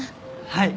はい。